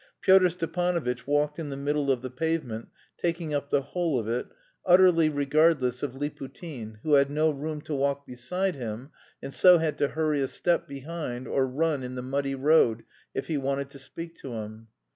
Pyotr Stepanovitch walked in the middle of the pavement, taking up the whole of it, utterly regardless of Liputin, who had no room to walk beside him and so had to hurry a step behind or run in the muddy road if he wanted to speak to him.